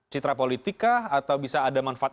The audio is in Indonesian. citra politika atau bisa ada manfaat